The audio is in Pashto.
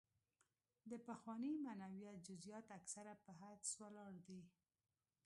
د پخواني معنویت جزیات اکثره په حدس ولاړ دي.